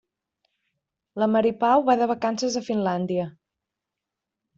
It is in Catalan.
La Mari Pau va de vacances a Finlàndia.